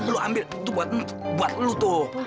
lo ambil itu buat buat lo tuh